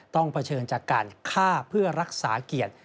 เผชิญจากการฆ่าเพื่อรักษาเกียรติ